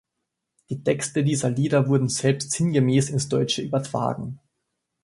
Die Texte dieser Lieder wurden selbst sinngemäß ins Deutsche übertragen.